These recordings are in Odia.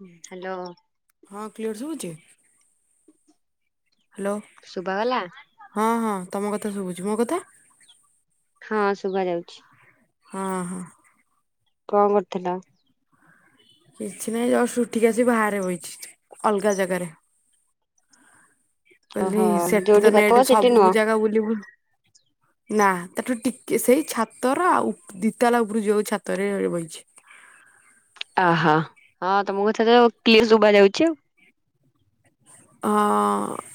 ହ୍ୟାଲୋ ହଁ କ୍ଲିଅର ଶୁବୁଚି। ହାଲୋ ଶୁଭାଗଲା? ହଁ ହଁ ତମ କଥା ଶୁବୁଚି ମୋ କଥା? ହଁ ଶୁବା ଯାଉଛି। ହଁ ହଁ। କଣ କରୁଥିଲ? କିଛି ନାହିଁ ଜଷ୍ଟ ଉଠିକି ଆସି ବାହାରେ ବଇଚି। ଅଲଗା ଜାଗାରେ। ଓହୋ ଯୋଉଠି କଥା ହୁଅ ସେଠି ନୁହଁ। ବୁଲିିବୁ। ନା ତାଠୁ ଟିକେ ସେଇ ଛାତର ଆଉ ଉ ଦିତାଲା ଉପରୁ ଯିବାଉ ଛାତରେ ବଇଚି। ଅହୋ ହଁ ତମକୁ କଥା ତ କ୍ଲୀ ଶୁଭା ଯାଉଛି ଆଉ। ହଁ।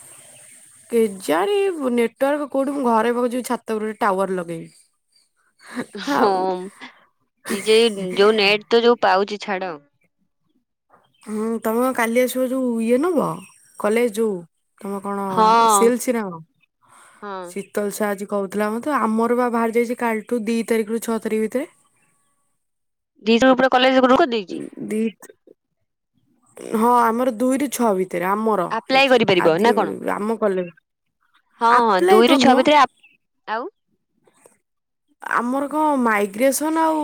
କେଜାଣି ନେଟୱାର୍କ କୋଉଠୁ ମୁ ଘରେ ପକ ଯିବି ଛାତ ଉପରେ ଗୋଟେ ଟାୱାର ଲଗେଇବି। ହଁ ଏ ଯ ଯୋଉ ନେଟ୍ ତ ଯୋଉ ପାଉଚି ଛାଡ। ହୁଁ ତମେ କାଲି ଆସିବ ଯୋଉ ଇଏ ନବ। କଲେଜ ଯୋଉ ତମେ କଣ ସି ହଁ। ଏଲ୍ ସି ନାଁ କଣ ହଁ। ଶି ତାହେଲେ ସେ ଆଜି କହୁଥିଲା ମତେ ଆମର ବାହାରି ଯାଇଚି କାଲିଠୁ ଦି ତାରିଖରୁ ଛଅ ତାରିଖ ଭିତେରେ। ଦି ଜଣ ପୁରା କଲେଜ୍ ରୁ [unintelligible] ଦି ହଁ ଆମର ଦୁଇରୁ ଛଅ ଭିତରେ ଆମ ର ଆପ୍ଲାଏ ହେଇଛି କରିପାରିବ ନା ଆଦିକବି କଣ? ଆମ କଲେଜ୍ ରେ, ହଁ ହଁ ଆପ୍ଲାଏ ଦୁଇରୁ ତ ଛଅ ନୁହଁ? ଭିତରେ ଆଉ ଆମର କଣ ମାଇଗ୍ରେସନ୍ ଆଉ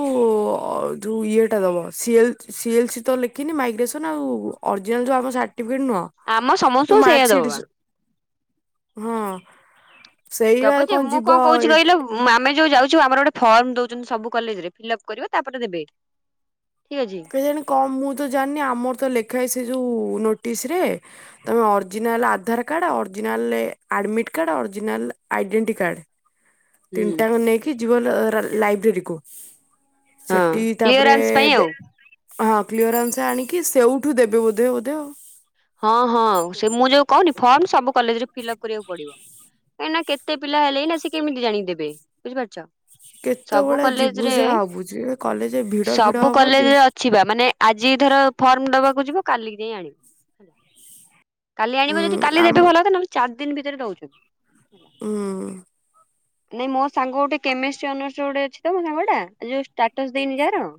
ଯେଉ ଇଏଟା ଦବ, ସିଏଲ୍ ସିଏଲ୍ ସି ତ ଲେଖିନି, ମାଇଗ୍ରେସନ୍ ଆଉ ଅରିଜିନାଲ୍ ଯୋଉ ଆମ ସାର୍ଟିଫିକେଟ୍ ନୁହଁ ଆମ ସମସ୍ତଙ୍କୁ ଯୋଉ ସେଇଆ ମାର୍କସିିଟ୍ ଦବା। ହଁ। ସେଇବା କଣ ଯିବ ଏ ଉଁ ଆମେ ଯୋଉ ଯାଉଚୁ ଆମର ଗୋଟେ ଫର୍ମ ଦଉଚନ୍ତି ସବୁ କଲେଜରେ ଫିଲ୍ଅପ୍ କରିବ ତାପରେ ଦେବେ। ଠିକ୍ ଅଛି। କେଜାଣି କଣ ମୁଁ ତ ଜାଣିନି, ଆମର ତ ଲେଖା ହୁଏ ସେ ଯୋଉ ନୋଟିସ୍ ରେ ତମେ original Aadhaar card, original admit card, original identity card ହୁଁ। ତିନିଟାଙ୍କ ନେଇକି ଯିବ ଲାଇବ୍ରେରୀ କୁ। ହଁ ସେଠି ତାପରେ କ୍ଲିୟରାନ୍ସ ପାଇଁ ଆଉ। ଦେ ହଁ କ୍ଲିୟରଆନ୍ସ ଆଣିକି ସେଇଠୁ ଦେବେ ବୋଧେ-ବୋଧେ ଆଉ। ହଁ-ହଁ ସେ ମୁଁ ଯୋଉ କହୁନି ଫର୍ମ ସବୁ କଲେଜରେ ଫିଲ୍ଅପ୍ କରିବାକୁ ପଡିବ। କାହିଁକ ନା କେତେ ପିଲା ହେଲେଇଁ ନା ସେ କେମିତି ଜାଣିକି ଦେବେ ବୁଝିପାରୁଚ? କେତେବଳେ ଯିବୁ ସେୟା ଭାବୁଚି କଲେଜେ ଭିଡ ଫିଡ ହବ ଦେ ଖିବା ମାନେ ଆଜି ଧର ଫର୍ମ ଦବାକୁ ଯିବ, କାଲକି ଯାଇଁ ଆଣିବ। କାଲି ଉଁ ଆଣିବ ଯଦି କାଲି ଆମ ଦେବେ ଭଲ କଥା, ନହେଲେ ଚାରି ଦିନ ଭିତରେ ଦଉଚନ୍ତି। ହୁଁ। ନାଇଁ ମୋ ସାଙ୍ଗ ଗୋଟେ କେମେଷ୍ଟ୍ରୀ ଅନର୍ସର ଗୋଟେ ଅଛି ତ ମୋ ସାଙ୍ଗଟା ଏ ଯୋଉ ଏଯୋଉ ଷ୍ଟାଟସ୍ ଦେଇନି ଯହାର ହଁ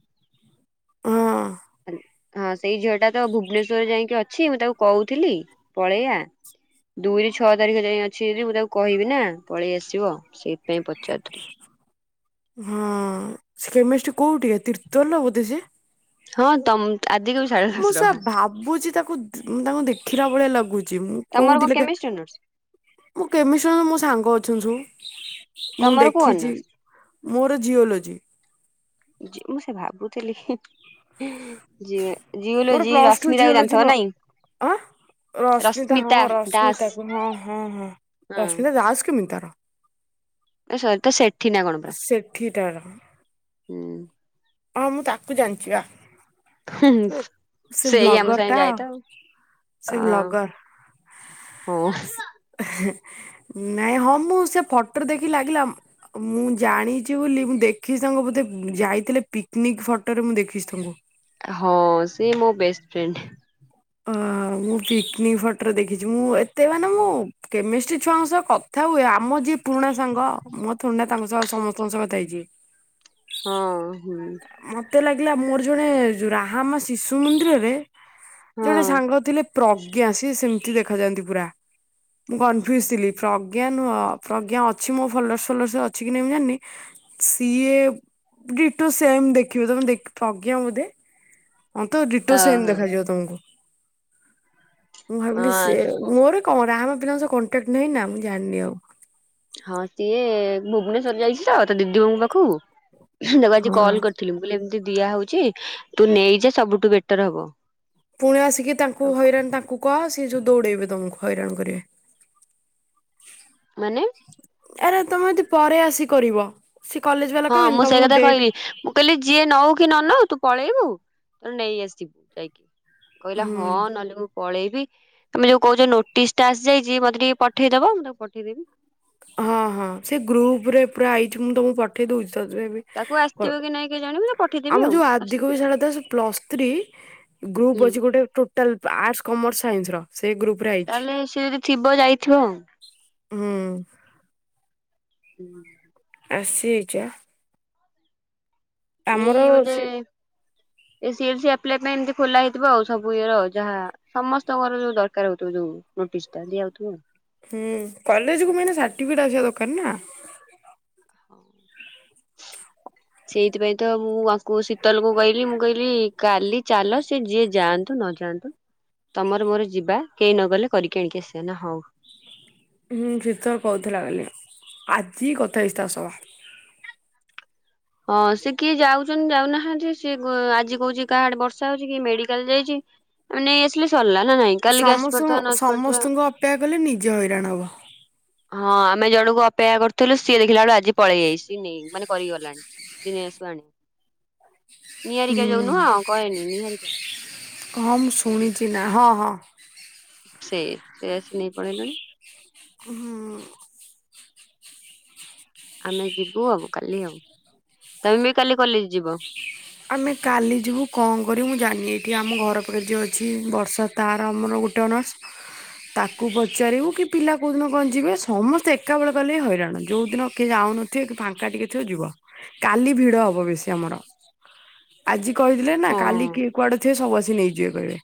ହଁ ସେଇ ଝିଅଟା ତ ଭୁବନେସ୍ୱରରେ ଯାଇଁକି ଅଛି ମୁଁ ତାକୁ କହୁଥିଲି ପଳେଇଆ ଦୁଇରୁ ଛଅ ତାରିଖ ଯାଏ ଅଛି ଯଦି ମୁଁ ତାକୁ କହିବି ନା ପଳେଇ ଆସିବ ସେଇଥିପାଇଁ ପଚାରୁଥିଲି। ହଁ ସେ କେମେଷ୍ଟ୍ରି କୋଉଠିକା ତିର୍ତ୍ତୋଲ ର ବୋଧେ ସେ? ହଁ ତମ ଆଦିକବି ମୁଁ ସେୟା ଭାବୁଚି ତାକୁ ମୁଁ ତାଙ୍କୁ ଦେଖିଲା ଭଳିଆ ଲାଗୁଚି, ମୁଁ ତମର କଣ କୋଉଠି ଲେଖା କେମିଷ୍ଟ୍ରି ଅନର୍ସ ମୁଁ କେମିଷ୍ଟ୍ରୀ ଅନର୍ସ ମୋ ସାଙ୍ଗ ଅଛନ୍ତି ସବୁ ମୁଁ ତମର କୋଉ ଦେଖିଚି। ଅନର୍ସ? ମୋର ଜିଓଲୋଜି। ମୁଁ ସେ ଭାବୁଥିଲି ହିଁ। ଯି ମୋର ଜିଓଲୋଜି ପ୍ଲସ ଟୁ ରଶ୍ମିତାକୁ ଜିଓଲୋଜି ନ ଜାଣିଥିବ ନାଇଁ? ଆଁ ରଶ୍ମିତା ହଁ ରଶ୍ମିତାକୁ ହଁ-ହଁ-ହଁ ହଁ ରଶ୍ମିତା ଦାସ୍ କେମିତି ତାର? [unintelligible] ସେଠି ତାର। ହୁଁ। ହଁ ମୁଁ ତାକୁ ଜାଣିଚି ବା। ହୁଁ-ହୁଁ ସେ ସେଇ ଆମ ବ୍ଲଗର ସାଙ୍ଗେରେ ଟା ଯାଏ ତ ସେ ଆଉ ଅ। ବ୍ଲଗର ହଁ। ନାଇଁ ହଁ ମୁଁ ସେ ଫଟୋରେ ଦେଖି ଲାଗିଲା ମୁଁ ଜାଣିଛି ବୋଲି ମୁଁ ଦେଖିଛି ତାଙ୍କୁ ବୋଧେ ଯାଇଥିଲେ ପିକ୍ନିକ୍ ଫଟୋରେ ମୁଁ ଦେଖିଛି ତାଙ୍କୁ। ହଁ ସିଏ ମୋ ବେଷ୍ଟ ଫ୍ରେଣ୍ଡ। ଅ ମୁଁ ପିକ୍ନିକ୍ ଫଟୋରେ ଦେଖିଛି, ମୁଁ ଏତେ ମାନେ ମୁଁ କେମେଷ୍ଟ୍ରି ଛୁଆଙ୍କ ସହ କଥା ହୁଏ ଆମ ଯିଏ ପୁରୁଣା ସାଙ୍ଗ, ମୁଁ ଥୋଡି ନା ତାଙ୍କ ସହ ସମସ୍ତଙ୍କ ସହ କଥା ହେଇଚି। ହ ହଁ-ହୁଁ। ମତେ ଲାଗିଲା ମୋର ଜଣେ ରାହାମ ଶିଶୁ ମନ୍ଦିରରେ ଜଣେ ହଁ ସାଙ୍ଗ ଥିଲେ ପ୍ରଜ୍ଞା ସିଏ ସେମ୍ତି ଦେଖାଯାଆନ୍ତି ପୁରା। ମୁଁ କନଫ୍ୟୁଜ ଥିଲି ପ୍ରଜ୍ଞା ନୁହଁ ପ୍ରଜ୍ଞା ଅଛି ମୋ ଭଲର ଫଲସ ଅଛି କି ନାଇଁ ମୁଁ ଜାଣିନି ସିଏ ୁ ସେମ୍ ଦେଖିବ ତମେ ଦେଖ ଥକ ବୋଧେ ହଁ ତ ରଡିଟୋ ସେମ ଓହୋ ଦେଖାଯିବ ତମକୁ ମୁଁ ଭାବିଲି ହଁ ସେି ମୋର କଣ ରାାମ ପିଲାଙ୍କ ସହ କଣ୍ଟାକ୍ଟ ନହିଁ ନା ମୁଁ ଜାଣିନି ଆଉ ହଁ ସିଏ ଭୁବନେଶ୍ଵର ଯାଇଛି ତ ତା ଦିଦି ବୋଉଙ୍କ ପାଖକୁ ଦେଖ ଆଜି ହଁ। କଲ କରିଥିଲି ମୁଁ କହିଲି ଏମିତି ଦିଆ ହଉଛି ତୁ ନେଇଯ ସବୁଠୁ ବେଟର ହବ ପୁଣି ଆସିକି ତାଙ୍କୁ ହଇରାଣ ତାଙ୍କୁ କୁହ ସିଏ ଯୋଉ ଦୌଡେଇବେ ତମକୁ ହଇରାଣ କରିବେ ମାନେ ଆରେ ତମେ ଯଦି ପରେ ଆସି କରିବ ସି କଲେଜ ବାଲା ହଁ ମୁଁ କହିବେନି ସେଇ ତମକୁ କଥା କହିଲି ଡେଟ ମୁଁ କହିଲି ଯିଏ ନଉ କି ନ ନଉ ତୁ ପଳେଇବୁ ତୋର ନେଇ ଆସିବୁ ଯାଇକି କହିଲା ହୁଁ ହଁ ନହେଲେ ପଳେଇବି ତମେ ଯୋଉ କହୁଛ ନୋଟିସ ଟା ଆସିଯାଇଛି ମତେ ଟିକେ ପଠେଇଦବ ମୁଁ ତାକୁ ପଠେଇଦେବି ହଁ ହଁ ସେ ଗ୍ରୁପ ରେ ପୁରା ଆଇଛି ମୁଁ ତମକୁ ପଠେଇ ଦଉଛି ତ ଏ ତାକୁ ଆସିଥିବ କି ନାଇଁ କେଜାଣି ମୁଁ ତାକୁ ଆମ ପଠେଇଦେବି ଆଉ ଯୋଉ ଆଦିକ ଆସିଥିବ ବିଶାଳ ସେ ପ୍ଲସ୍ ଥ୍ରୀ ଗ୍ରୁପ୍ ହୁଁ ଅଛି ଗୋଟେ ମ ଗ୍ର [inaudible] ତାହେଲେ ସେ ଯଦି ଥିବ ଯାଇଥିବ ଆଉ ହୁଁ ହୁଁ ଆସିଛ ଆମର ଏଇ ବୋଧେ ସେ ଏ ସଲ ସପ୍ ପାଇଁ ଏମିତି ଖୋଲା ହେଇଥିବ ଆଉ ସବୁ ଇଏର ଯାହା ସମସ୍ତଙ୍କର ଯୋଉ ଦରକାର ହଉଥିବ ଯୋଉ ନୋଟିସ ଟା ଦିଆଉଥିବ ଆଉ ହୁଁ କଲେଜ କୁ ମାନେ ସାର୍ଟିଫିକେଟ ଆସିବା ଦରକାର ନା। ହଉ। ସେଇଥିପାଇଁ ତ ମୁଁ ତାଙ୍କୁ ଶୀତଲକୁ କହିଲି ମୁଁ କହିଲି କାଲି ଚାଲ ସେ ଯିଏ ଯାଆନ୍ତୁ ନ ଯା [unintelligible] ତମର ମୋର ଯିବା କେହି ନ ଗଲେ କରିକି ଆଣିକି ଆସିବା ନା ହଁ। ହୁଁ ଶୀତଲ କହୁଥିଲା କଲି ଆଜି କଥା ହେଇଚି ତା ସହ। ହଁ ସ କିଏ ଯାଉଛନ୍ତି ଯାଉନାହାନ୍ତି ସିଏ ଆଜି କହୁଛି କାହାଡେ ବର୍ଷା ହଉଛି କି ମେଡିକାଲ ଯାଇଚି। ଆଁ ନେଇ ଆସିଲେ ସରିଲା ନା ନାଇଁ। ସମସ୍ତ ପାରୁଥିବା ନ ଆସି ପାରୁଥିବା। ସମସ୍ତଙ୍କୁ ଅପେକ୍ଷା କଲେ ନିଜେ ହଇରାଣ ହବ। ହଁ ଆମେ ଜଣକୁ ଅପେକ୍ଷା କରିୁଥିଲୁ ସିଏ ଦେଖିଲା ବେଳୁ ଆଜି ପଳେଇ ଯାଇସି ନେଇ ମାନେ କରିକି ଗଲାଣି। ଦିନଶୁ ଆଣୁ ନିହାରିକା ଯାଉ ନୁହଁ କହେନି ନିହାରିକା। କଣ ମୁଁ ଶୁଣିଛି ନା ହଁ ହଁ। ସେଇ ସେ ଆସି ନେଇ ପଳେଇଲାଣି। ହଁ। ଆମେ ଯିବୁ ଆଉ କାଲି ଆଉ ତମେ ବି କାଲି କଲେଜ ଯିବ। ଆମେ କାଲି ଯିବୁ କଣ କରିବୁ ମୁଁ ଜାଣିନି ଏଠି ଆମ ଘର ପାଖରେ ଯଉ ଅଛି ବର୍ଷା ତାର ଆମର ଗୋଟେ ଅନର୍ସ ତାକୁ ପଚାରିବୁ କି ପିଲା କୋଉ ଦିନ କଣ ଯିବେ ସମସ୍ତେ ଏକା ବଳେ ଗଲେ ହଇରାଣ ଯୋଉ ଦିନ କିଏ ଯାଉନ ଥିବ କି ଫାଙ୍କା ଟିକେ ଥିବ ଯିବ କାଲି ଭିଡ ହବ ବେଶୀ ଆମର। ଆଜି କହିଥିଲେ ନା ହଁ କାଲି କିଏ କୁଆଡେ ଥିବେ ସବୁ ଆସି ନେଇଯିବେ କହିବେ।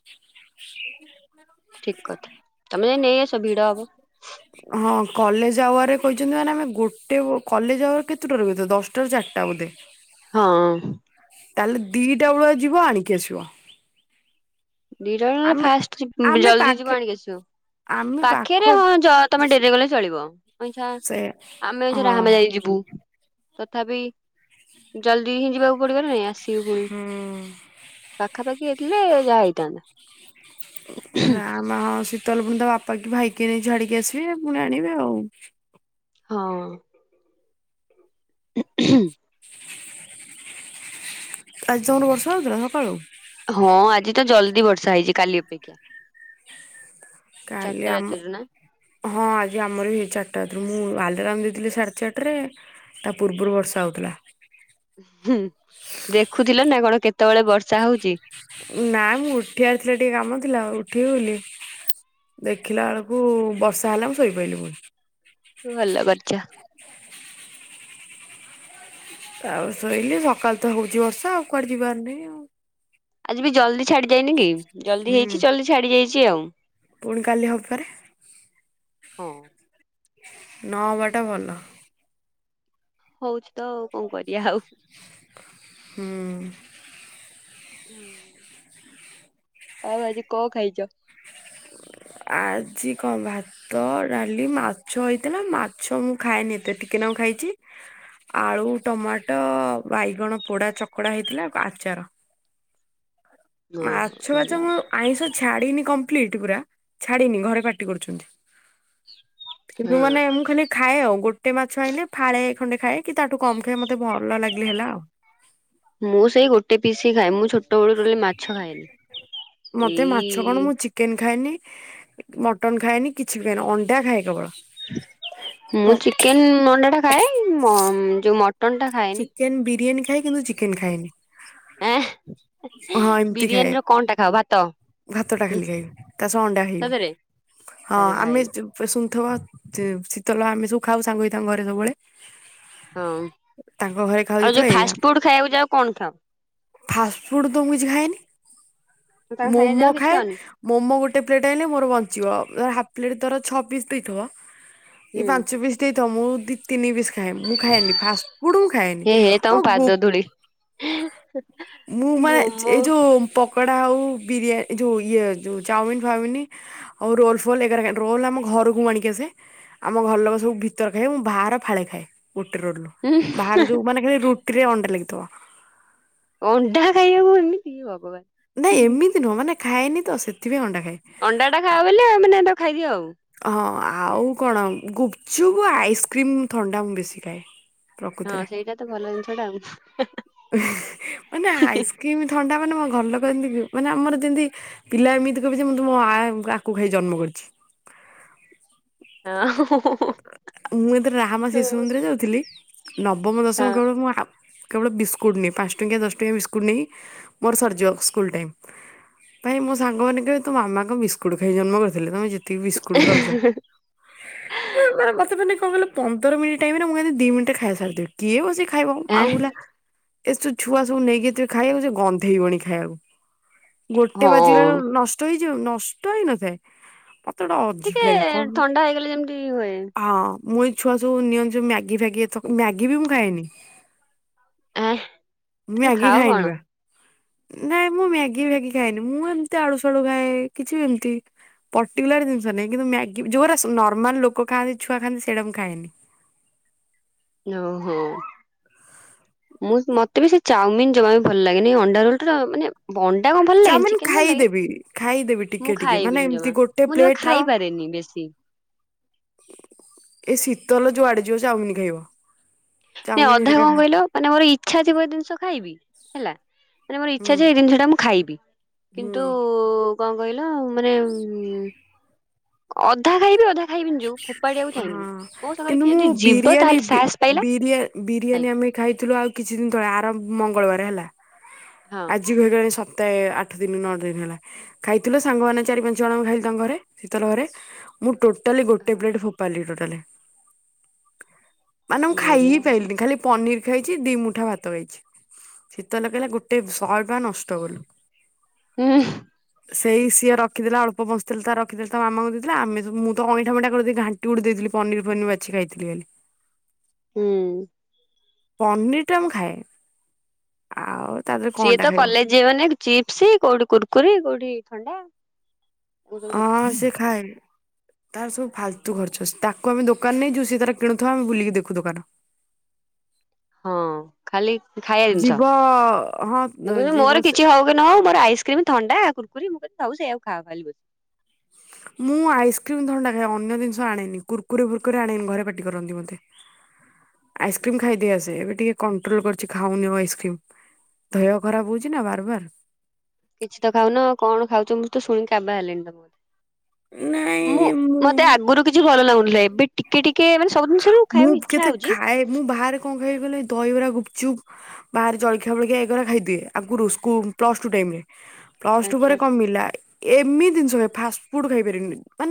ଠିକ କଥା ତମେ ନେଇ ଆସ ଭିଡ ହେବ। ହଁ କଲେଜ ଆୱାରେ କହିଛନ୍ତି ମାନେ ଆମେ ଗୋଟେ କଲେଜ ଆୱର କେତେଟାରେ ବୋଧେ ଦଶଟାରୁ ଚାରିଟା ବୋଧେ। ହଁ। ତାହେଲେ ଦିଟା ବେଳୁଆ ଯିବ ଆଣିକି ଆସିବ। ଦିଟା ନଲେ ଆମେ ଫାଷ୍ଟ ଯ ଆମେ ଜଲ୍ଦି ଯିବୁ ପାଖେ ଆଣିକି ଆସିବୁ। ଆମେ ପାଖ ପାଖେରେ ହଁ ଯ ତମେ ଡେରିରେ ଗଲେ ଚଳିବ ଆଛା ସେ ଆମେଛା ହଁ ରାହାମା ଯାଇକ ଯିବୁ। ତଥାପି ଜଲଦି ହିଁ ଯିବାକୁ ପଡିବ ନା ନାଇଁ ଆସିବୁ ପୁଣି। ହୁଁ ପାଖାପାଖି ହେଇଥିଲେ ଯାହା ହେଇଥାନ୍ତା। ରାମା ହଁ ଶୀତଲ ପୁଣି ତ ହଁ। [inaudible] ଆଜି ତମର ବର୍ଷା ହଉଥିଲା ସକାଳୁ? ହଁ ଆଜି ତ ଜଲଦି ବର୍ଷା ହେଇଛି କାଲି ଅପେକ୍ଷା। କାଲି ଚାରିଟା ଆମ ରାତିରୁ ହଁ ଆଜି ଆମର ବି ହେଇ ଚାରିଟାରୁ ମୁଁ ଆଲାରାମ ଦେଇଥିଲି ସାଢେ ଚାରିଟାରେ ତା ପୂର୍ବରୁ ବର୍ଷା ହଉଥିଲା। ହୁଁ ଦେଖୁଥିଲ ନା କଣ କେତେବେଳେ ବର୍ଷା ହଉଚି। ନାଇଁ ମୁଁ ଉଠିବାର ଥିଲା ଟିକେ କାମ ଥିଲା ଆଉ ଉଠିବି ବୋଲି ଦେଖିଲା ଏଳକୁ ବର୍ଷା ହେଲା ମୁଁ ଶୋଇପଇଲି ପୁଣି। ଉ ଭଲ କରିଚ। ଆଉ ଶୋଇଲିି ସକାଳ ତ ହଉଚି ବର୍ଷା ଆଉ କୁଆଡେ ଯିବାର ନାହିଁ ଆଉ। ଆଜି ବି ଜଲଦି ଛାଡ଼ିଯାଇନି କି? ଜଲଦି ହୁଁ ହେଇଛି ଜଲଦି ଛାଡ଼ିଯାଇଚି ଆଉ। ପୁଣି କାଲି ହେବପରା। ହଁ ନ ହବାଟା ଭଲ। ହୋଉଚି ତ ଆଉ କଣ କରିବା ଆଉ। ହୁଁ। ଆଉ ଆଜି କନ ଖାଇଚ? ଆଜି କଣ ଭା ତ ଡାଲି, ମାଛ ହେଇଥିଲା ମାଛ ମୁଁ ଖାଏନି ଏ ତେ ଟିକେ ନାଗୁଁ ଖାଇଚି ଆଳୁ, ଟମାଟ, ବାଇଗଣ ପୋଡା ଚକଡା଼ ହେଇଥିଲା, ଆଚାର। ଓହୋ ମାଛ ଭଲ ବାଛ, ମୁଁ ଆଇଁଷ ଛାଡିନି କମ୍ପ୍ଲିଟ ପୁରା ଛାଡିନି, ଘରେ ପାଟି କରୁଚନ୍ତି। କିନ୍ତୁ ହଁ ମାନେ, ମୁଁ ଖାଲି ଖାଏ ଆଉ, ଗୋଟେ ମାଛ ଆଇଁଲେ ଫାଳେ ଏ ଖଣ୍ଡେ ଖାଏ କି ତାଠୁ କମ ଖାଏ, ମତେ ଭଲ ଲାଗିଲେ ହେଲା ଆଉ। ମୁଁ ସେଇ ଗୋଟେ ପିସ୍ ହି ଖାଏ, ମୁଁ ଛୋ ମତେ ମାଛ କଣ, ମୁଁ ଏଇ ଚି କେନ ଖାଏନି, ମଟନ ଖାଏନି, କିଛିବି ଖଏନି, ଅଣ୍ଡା ଖାଏ। କେବଳ। ମୁଁ ଚିକେନ, ଅଣ୍ଡା ଟା ଖାଏ, ମ ଯୋଉ ମଟନ ଟା ଖାଏନି। ଚିକେନ୍ ବିରିୟାନୀ ଖାଏ କିନ୍ତୁ ଚିକେନ ଖାଏନି। ହଁ ବିରିୟାନୀର କଣ ଟା ଖାଅ, ଭାତ? ଭାତଟା ହୁଁ ଖାଲି ଖାଇବି, ତା ସହ ଅଣ୍ଡା ଖାଇବି, ସତରେ ହଁ ଆରେ ଭାଇ ଆମେ [unintelligible] ଶୁନଥବ, ଶୀତଲ ଆମେ ସବୁ ଖାଉ ସାଙ୍ଗ ହୋଇ ତାଙ୍କ ଘରେ ସବୁବେଳେ। ହଁ, ତାଙ୍କ ଘରେ ଖାଉ ଆଉ ଯୋଉ ଯେତେବେଳେ ଏଇଆ ଫାଷ୍ଟ ଫୁଡ଼୍ ଖାଇବାକୁ ଯାଅ କଣ ଖାଅ? ଫାଷ୍ଟ ଫୁଡ଼ ତ ମୁ କିଛି ଖାଏନି, ତାଙ୍କ ସାଙ୍ଗେ ମୋମୋ ଯାଉ କିଛି ଖାଏ। ଖାଅନି ମୋମୋ ଗୋଟେ ପ୍ଲେଟ୍ ଆନଲେ ମୋର ବଞ୍ଚିବ ଅ ହାଫ୍ ପ୍ଲେଟ୍ ଧର ଛଅ ପିସ୍ ଦେଇଥିବ ଏଇ ହୁଁ ପାଞ୍ଚ ପିସ୍ ଦେଇଥ ମୁଁ ଦି ତିନି ବିିସ୍ ଖାଏ ମୁଁ ଖାଏନି ଫାଷ୍ଟ ଫୁଡ ମୁଁ ଖାଏନି। ହେ ହେ ତମ ହଁ ଗୋ ପାଦ ଧୂଳି ମୁଁ ମାନେ ଚ ମୋମୋ ଏଇ ଯୋଉ, ପକଡା଼ ଆଉ ବିରିୟା ଯଉ ଇଏ ଯଉ ଚାଉମିିନ ଫାଉମିନି ଆଉ ରୋଲ ଫୋଲ [unintelligible] ରୋଲ ଆମ ଘରକୁ ମୁ ଆଣିକି ଆସେ। ଆମ ଘର ଲୋକ ସବୁ ଭିତର ଖାଇଏ, ମୁଁ ବାହାର ଫାଳେ ଖାଏ ଗୋଟେ ରୋଲରୁୁ। ବାହାର ଯୋଉ ମାନେ ଖାଲି ରୁଟିରେ ଅଣ୍ଡା ଲାଗିଥିବ। ଅଣ୍ଡା ଖାଇବାକୁ ଏମିତି, ଭଗବାନ। ନାଇଁ ଏମିତି ନୁହଁ, ମାନେ ଖାଏନି ତ ସେଥିପାଇଁ ଅଣ୍ଡା ଖାଏ। ଅଣ୍ଡା ଟା ଖାଅ ବୋଲି ଆଉ ମାନେ ଏଟାକୁ ଖାଇଦିଅ ଆଉ। ହଁ ଆଉ କଣ ଗୁପଚୁପୁ, ଆଇସ୍କ୍ରିମ୍, ଥଣ୍ଡା ମୁଁ ବେଶୀ ଖାଏ। ହଁ ପ୍ରକୃତରେ, ସେଇଟା ତ ଭଲ ଜିନିଷ ଟା ଆଉ। ହେଁ ମାନେ ଆଇସ୍ କିମି ଥଣ୍ଡା ମାନେ ମୋ ଘଲୋ [unintelligible] ମାନେ ଆମର ଯେମତି ପିଲା ଏମିତି କହିବେ ଯେ ମୁଁ ତୁମ [unintelligible] କୁ ଖାଇ ଜନ୍ମ କରିଚି। ହଁ। ମୁଁ ଏଥର ରାହାମା ଶିଶୁ ମନ୍ଦିର ଯାଉଥିଲି ନବମ, ଦଶମ [unintelligible] ମୁଁ ଆ କେବଳ ବିସ୍କୁଟ୍ ନିଏ, ପାଞ୍ଚ ଟଙ୍କିଆ ଦଶ ଟଙ୍କିଆ ବିସ୍କୁଟ୍ ନେଇ ମୋର ସରିଯିବ। ସ କୁଲ ଟାଇମ୍, ପାଇଁ ମୋ ସାଙ୍ଗମାନେ କହିବେ ତୋ ମାମା କଣ ବିସ୍କୁଟ ଖାଇ ଜନ୍ମ କରିଥିଲେ, ତମେ ଯେ ତିକି ବିସ୍କୁଟ ଖାଉଛ। [unintelligible] ମତେ ମାନେ କଣ କହିଲ, ପନ୍ଦର ମିନିଟ ଟାଇମ ରେ ମୁଁ [unintelligible] ଦି ମିନିଟ ରେ ଖାଇ ସାରିଥିବି। କିଏ ବସି ଖାଇବ ଆଁ ଆଉ ହୁଲା ଏ ଛୋ ଛୁଆ ସବୁ ନେଇକି ଥିବେ ଖାଇବାକୁ ଯେ ଗନ୍ଧେଇବଣି ଖାଇବା ଗୋଟେ ବାଜିଲାଳୁ ହଁ ନଷ୍ଟ ହେଇଯିବ, ନଷ୍ଟ ହେଇନଥାଏ। ଅ ତଟା ଟିକେ ଅଜିବ୍ ଲାଗେ କନ୍ ଥଣ୍ଡା ହେଇଗଲେ ଯେମିତି ହୁଏ। ହଁ। ମୁଁ ଏଇ ଛୁଆ ସବୁ ନିଅନ୍ତି ଯଉ ମ୍ୟାଗି ଫ୍ୟାଗି ଏଥକ ମ୍ୟାଗି ବି ମୁଁ ଖାଏନି। ଆଁ ତମେ ମ୍ୟାଗି ଖାଅ କଣ? ଖାଇନିବା। ନାଇଁ ମୁଁ ମ୍ୟାଗି ଫ୍ୟାଗି ଖାଏନି ମୁଁ ଏମିତି ଆଡୁସାଡୁ ଖାଏ କିଛି ଏମିତି ପର୍ଟିକୁଲାର ଜିନିଷ ନାହିଁ, କିନ୍ତୁ ମ୍ୟାଗି ଯୋଉରା ସୁ ନର୍ମାଲ ଲୋକ ଖାଆନ୍ତି ଛୁଆ ଖାଆନ୍ତି ସେଇଡ଼ା ମୁଁ ଖାଏନି। ଓହୋ, ମୁଁ ମତେ ବି ସେ ଚାଉମିିନ ଜମା ବି ଭଲ ଲାଗେନି, ଅଣ୍ଡା ରୋଲ ଠୁ ତ ମାନେ ଭଣ୍ଡା କଣ ଭଲଲାଗେନି ଚାଉମିନ ଚିକେନ ଭଲ ଲାଗେ, ଖାଇଦେବି ଖାଇଦେବି ଟିକେ ମୁଁ ଟିକେ ମାନେ ଖାଇବିନି ଏମିତି ଜମା, ଗୋଟେ ମୁଁ ଜମା ପ୍ଲେଟ ର ଖାଇପାରେନି ବେଶୀ। ଶି ଏ ଶୀତଲ ଯୁଆଡେ଼ ଯିବୁ ଚାଉମିନ ଖାଇବ। ନାଇଁ ଚାଉମିନ ଅଧା ହେରିକା କଣ ଖା କହିଲ, ମାନେ ମୋର ଇଚ୍ଛା ଥିବ ଏ ଜିନିଷ ଖାଇବି ହେଲା। ମାନେ ମୋର ହୁଁ ଇଚ୍ଛା ଯେ ଏ ଜିନିଷଟା ମୁଁ ଖାଇବି। କିନ୍ତୁ ହୁଁ। କଣ କହିଲ ମାନେ ଉଁ ଅଧା ଖାଇବି ଅଧା ଖାଇବିିନି ଯୋଉ ଫୋପାଡିଆକୁ ଚାହିଁବିନିି। ହଁ ମୋ ସାଙ୍ଗରେ କିନ୍ତୁ କିଏ ମୁଁ ଯଦି ଯିବ ବିରିୟାନୀ ତାହେଲେ ବି ସାହସ ପାଇଲା ବିରିୟା ବିରିୟାନୀ ଖାଇବି ଆମେ ଖାଇଥିଲୁ ଆଉ କିଛି ଦିନ ତଳେ ଆର ମଙ୍ଗଳବାରେ ହେଲା। ହଁ। ଆଜି ବି ହୋଇଗଲାଣି ସପ୍ତାହେ ଆଠ ଆଠ ଦିନି ନଅ ଦିନି ହେଲା। ଖାଇଥିଲୁ ସାଙ୍ଗମାନେ ଚାରି ପାଞ୍ଚ ଜଣ ଖାଇଲୁ ତାଙ୍କ ଘରେ ଶୀତଲ ଘରେ। ମୁଁ ଟୋ ଟାଲି ଗୋଟେ ପ୍ଲେଟ ଫୋପାଡିଲି ଟୋଟାଲେ। ମାନେ ମୁଁ ଖାଇ ହି ବଢିଆ ପାଇଲିନି ଖାଲି ପନିର ଖାଇଛି ଦି ମୁଠା ଭାତ ଖାଇଛି। ଶୀତଲରେ ଖାଇଲେ ଗୋଟେ ଶହେ ଟଙ୍କା ନଷ୍ଟ କଲୁ। ଉଁ ସେଇ ସିଏ ରଖିଥିଲା ଅଳ୍ପ ବସିଥିଲତାର ରଖିଥିଲେ ତା ମାମାଙ୍କୁ ଦେଇଥିଲା ଆମେ ସବୁ ମୁ ତ ଅଇଁଠା ଫଇଁଠା କରିଦେଇ ଘାଣ୍ଟି ଘୁଣ୍ଟି ଦେଇଥିଲି ପନିର ପନିର ବାଛି ଖଇ ଥିଲି ଖାଲି। ହୁଁ। ପନିରଟା ମୁ ଖାଏ। ଆଉ ତା ଦେହରେ ସିଏ କଣଟା ତ ଖାଇବ କଲେଜ ଗନେ, ଚିପ୍ସ କୋଉଠି କୁୁରକୁରି କୋଉଠି ଥଣ୍ଡା। ଏଗୁରା ସବୁ ଦେଖାଯିବ। ହଁ ସେ ଖାଏ ତାର ସବୁ ଫାଲତୁ ଖର୍ଚ୍ଚ ତା କୁ ଆମେ ଦୋକାନ ନେଇ ଯିବୁ, ସିଏ ତାର କିଣୁ ଥିବ ଆମେ ବୁଲିକି ଦେଖୁ ଦୋକାନ। ହଁ ଖାଲି ଖାଇବା ଜିନିଷ, ଯିବ ହଁ କିନ୍ତୁ ସେ ଯିବ ମୋର କିଛି ହଉ [unintelligible] ନହଉ ମୋର ଆଇସ୍କ୍ରିମ, ଥଣ୍ଡା, କୁରକୁରି ମୁଁ କହିଲି ହଉ ସେଇ ଆକୁ ଖାଅ ଖାଲି ବସି ମୁଁ ଆଇସ୍କ୍ରିମ ଥଣ୍ଡା ଖାଏ ଅନ୍ୟ ଜିନିଷ ଆଣେନି କୁର୍କୁରି ଫୁର୍କୁରି ଆଣେନି ଘରେ ପାଟି କରନ୍ତି ମତେ। [inaudible] ଆଇସ୍କ୍ରିମ୍ ଖାଇଦେଇ ଆସେ ଏବେ ଟିକେ କଣ୍ଟ୍ରୋଲ କରିଛି ଖାଉନି ଆଉ ଆଇସ୍କ୍ରିମ ଦେହ ଖରାପ ହଉଛି ନା ବାରବାର୍। କିଛି ତ ଖାଉନ କଣ ଖାଉଛ। ମୁଁ ତ ଶୁଣିକି କାବା ହେଲିଣି ତମକ ନାଇଁ ମୁଁ ମତେ ଆଗରୁ କିଛି ଭଲ ଲାଗୁନଥିଲା। ଏବେ ଟିକେ ଟିକେ ମାନେ ସବୁ ଜିନିଷରୁ ଖାଇବାକୁ ଇଛା ହେଉଛି। ଆଏ ମୁଁ ବାହାରୁକ କଣ ଖାଇବି କହିଲେ ଦହିବରା ଗୁପଚୁପ୍ ବାହାରେ ଜଳଖିଆ ଫଳିଖିଆ ଏଗୁରା ଖାଇଦିଏ। ଆଗରୁ ସ୍କୁ ପ୍ଲସ୍ ଟୁ ଟାଇମ୍ ରେ। ପ୍ଲସ ଟୁ ଆଚ୍ଛା। ପରେ କମିଲା ଏମିତି ଜିନିଷରେ ନାଇଁ ଫାଷ୍ଟ ଫୁଡ ଖାଇପାରିବିନି ମାନେ